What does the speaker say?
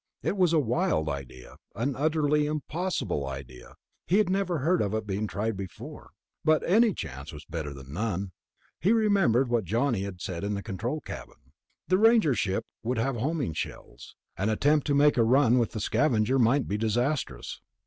It was a wild idea, an utterly impossible idea, he had never heard of it being tried before ... but any chance was better than none. He remembered what Johnny had said in the control cabin. The Ranger ship would have homing shells. An attempt to make a run with the Scavenger might be disastrous.